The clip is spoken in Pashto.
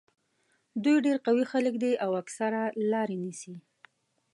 دوی ډېر قوي خلک دي او اکثره لارې نیسي.